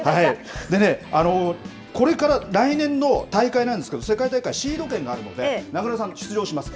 でね、これから来年の大会なんですけど、世界大会、シード権があるので、名倉さん出場します。